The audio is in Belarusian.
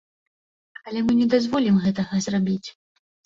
Але мы не дазволім гэтага зрабіць.